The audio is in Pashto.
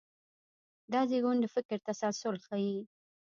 دا زېږون د فکر تسلسل ښيي.